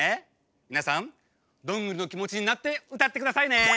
みなさんどんぐりのきもちになってうたってくださいね！